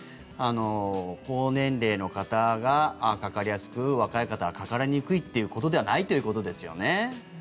高年齢の方がかかりやすく若い方はかかりにくいっていうことではないということですよね。